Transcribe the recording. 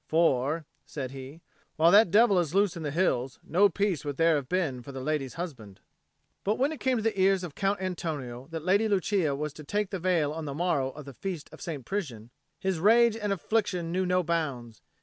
"For," said he, "while that devil is loose in the hills, no peace would there have been for the lady's husband." But when it came to the ears of Count Antonio that the Lady Lucia was to take the veil on the morrow of the feast of St. Prisian, his rage and affliction knew no bounds.